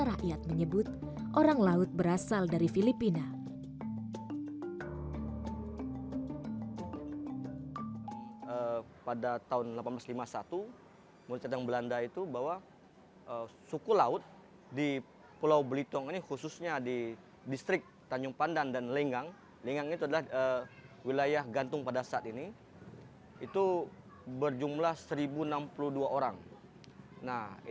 seorang rakyat menyebut orang laut berasal dari filipina